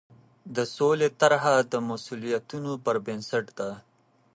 د سولې طرحه د مسوولیتونو پر بنسټ ده.